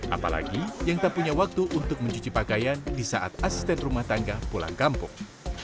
apalagi yang tak punya waktu untuk mencuci pakaian di saat asisten rumah tangga pulang kampung